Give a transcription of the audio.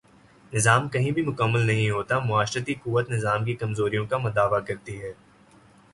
نظام کہیں بھی مکمل نہیں ہوتا معاشرتی قوت نظام کی کمزوریوں کا مداوا کرتی ہے۔